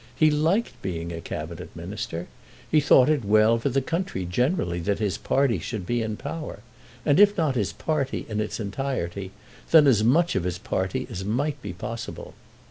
He liked being a Cabinet Minister. He thought it well for the country generally that his party should be in power, and if not his party in its entirety, then as much of his party as might be possible.